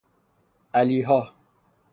علیﮩا